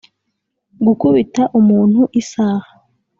'gukubita umuntu isaha